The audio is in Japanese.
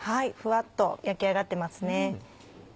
ふわっと焼き上がってますね。